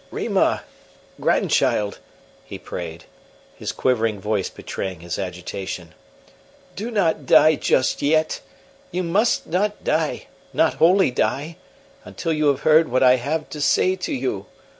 "Rima! Grandchild!" he prayed, his quivering voice betraying his agitation. "Do not die just yet: you must not die not wholly die until you have heard what I have to say to you.